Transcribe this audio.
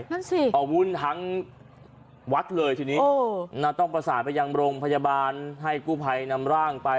นั่นสิเอาวุ่นทั้งวัดเลยทีนี้ต้องประสานไปยังโรงพยาบาลให้กู้ภัยนำร่างไป